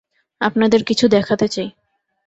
আপনাদের কিছু দেখাতে চাই।